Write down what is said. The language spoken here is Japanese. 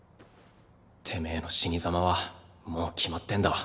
てめぇの死に様はもう決まってんだ。